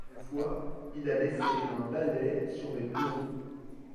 Une fois, il a laissé un balai sur mes plombs.